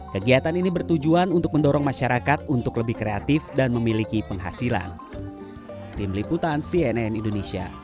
kegiatan ini bertujuan untuk mendorong masyarakat untuk lebih kreatif dan memiliki penghasilan